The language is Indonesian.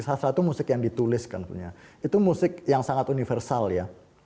salah satu musik yang dituliskan itu musik yang sangat universal ya